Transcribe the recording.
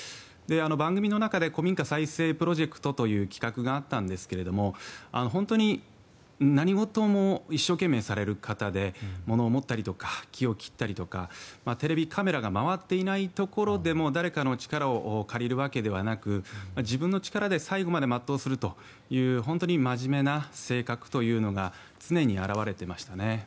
番組の中で古民家再生プロジェクトという企画があったんですけれども本当に何事も一生懸命される方で物を持ったりとか木を切ったりとかテレビカメラが回っていないところでも誰かの力を借りるわけではなく自分の力で最後まで全うするという本当に真面目な性格というのが常に表れていましたね。